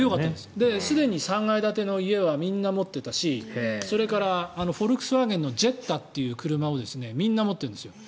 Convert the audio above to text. すでに３階建ての家はみんな持ってたしそれから、フォルクスワーゲンのジェッタという車をみんな持っているんです。